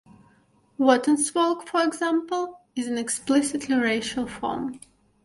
Wotansvolk for example is an explicitly racial form.